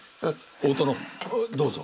大殿どうぞ。